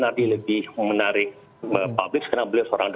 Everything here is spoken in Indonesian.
jadi karena peristiwa penembakan ini bukan cuma dr sunardi